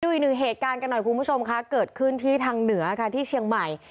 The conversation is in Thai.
ด้วยหนึ่งเหตุการณ์เกิดขึ้นที่ทางเหนือที่เชียงใหม่